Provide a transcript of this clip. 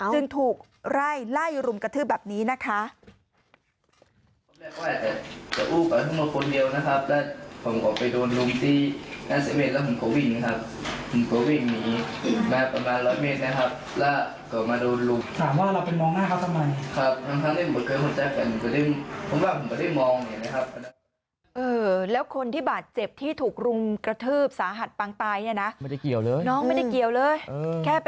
จึงถูกไล่ไล่รุมกระทืบแบบนี้นะคะ